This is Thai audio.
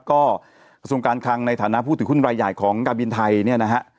ก็กระทรวงการคังในฐานะผู้ถือหุ้นรายใหญ่ของการบินไทยเนี่ยนะฮะ